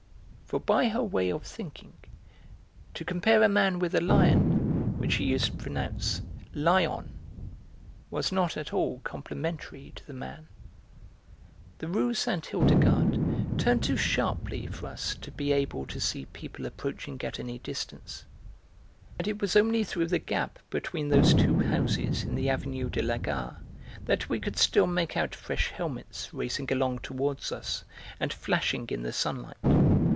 For by her way of thinking, to compare a man with a lion, which she used to pronounce 'lie on,' was not at all complimentary to the man. The Rue Sainte Hildegarde turned too sharply for us to be able to see people approaching at any distance, and it was only through the gap between those two houses in the Avenue de la Gare that we could still make out fresh helmets racing along towards us, and flashing in the sunlight.